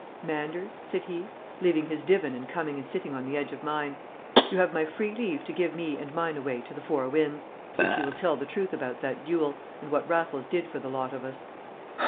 "Manders," said he, leaving his divan and coming and sitting on the edge of mine, "you have my free leave to give me and mine away to the four winds, if you will tell the truth about that duel, and what Raffles did for the lot of us!"